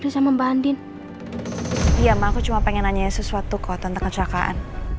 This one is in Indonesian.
sesuatu kok tentang kesilakaan